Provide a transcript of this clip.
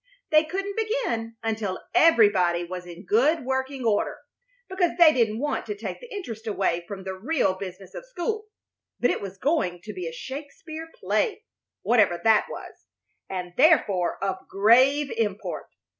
They couldn't begin until everybody was in good working order, because they didn't want to take the interest away from the real business of school; but it was going to be a Shakespeare play, whatever that was, and therefore of grave import.